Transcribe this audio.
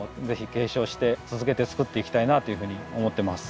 継承して続けて作っていきたいなというふうに思ってます。